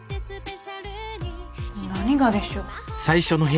何がでしょう？